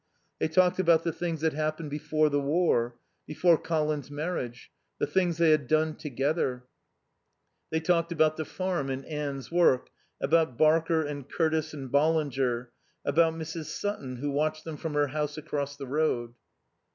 They talked about the things that happened before the war, before Colin's marriage, the things they had done together. They talked about the farm and Anne's work, about Barker and Curtis and Ballinger, about Mrs. Sutton who watched them from her house across the road.